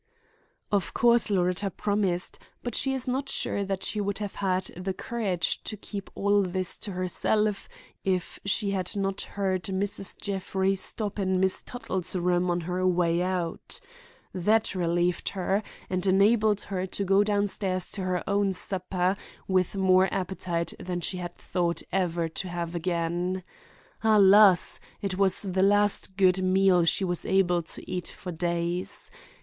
Of course Loretta promised, but she is not sure that she would have had the courage to keep all this to herself if she had not heard Mrs. Jeffrey stop in Miss Tuttle's room on her way out. That relieved her, and enabled her to go downstairs to her own supper with more appetite than she had thought ever to have again. Alas! it was the last good meal she was able to eat for days.